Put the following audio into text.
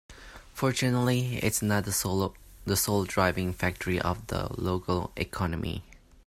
Fortunately its not the sole driving factor of the local economy.